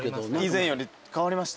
以前より変わりました？